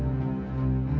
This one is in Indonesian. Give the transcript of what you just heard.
ibu harus keluar bu ya